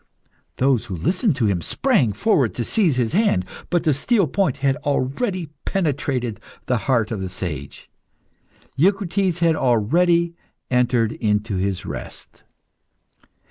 Those who listened to him sprang forward to seize his hand, but the steel point had already penetrated the heart of the sage. Eucrites had already entered into his rest.